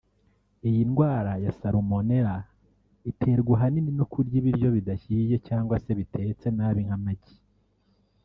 Iyi ndwara ya salmonellae iterwa ahanini no kurya ibiryo bidahiye cyangwa se bitetse nabi nk’amagi